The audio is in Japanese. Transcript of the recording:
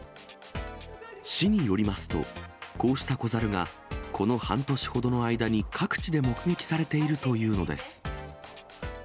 市によりますと、こうした子猿がこの半年ほどの間に各地で目撃されているというのです。